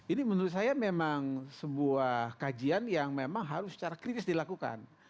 ini menurut saya memang sebuah kajian yang memang harus secara kritis dilakukan